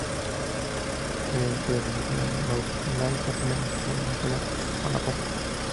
Ella era nieta de Josefina de Beauharnais, la primera esposa de Napoleón Bonaparte.